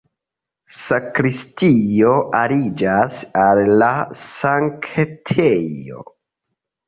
Sakristio aliĝas al la sanktejo.